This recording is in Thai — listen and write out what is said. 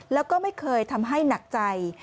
แล้วก็ไม่เคยทำให้หนักใจ